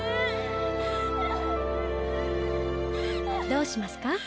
どうしますか？